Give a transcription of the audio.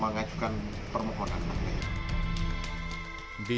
mengajukan permohonan amnesti